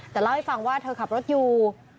แต่เล่าให้ฟังว่าเธอขับรถอยู่